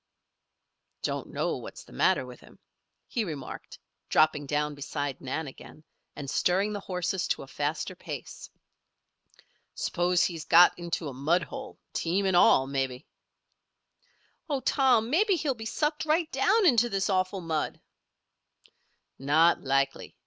"Don't know what's the matter with him," he remarked, dropping down beside Nan again, and stirring the horses to a faster pace. "S'pose he's got into a mud hold, team and all, maybe." "Oh, Tom! Maybe he'll be sucked right down into this awful mud." "Not likely.